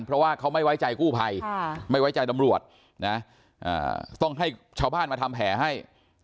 เพราะว่าเขาไม่ไว้ใจกู้ภัยไม่ไว้ใจตำรวจนะต้องให้ชาวบ้านมาทำแผลให้